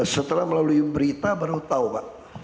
setelah melalui berita baru tahu pak